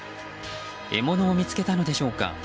獲物を見つけたのでしょうか。